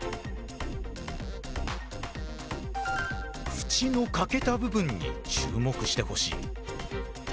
縁の欠けた部分に注目してほしい。